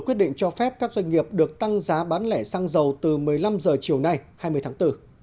quyết định cho phép các doanh nghiệp được tăng giá bán lẻ xăng dầu từ một mươi năm h chiều nay hai mươi tháng bốn